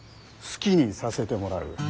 好きにさせてもらう。